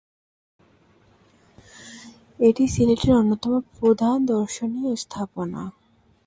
এটি সিলেটের অন্যতম প্রধান দর্শনীয় স্থাপনা।